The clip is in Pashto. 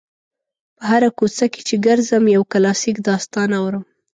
په هره کوڅه کې چې ګرځم یو کلاسیک داستان اورم.